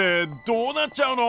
どうなっちゃうの！？